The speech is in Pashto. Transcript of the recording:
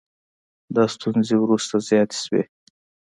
دا ستونزې وروسته زیاتې شوې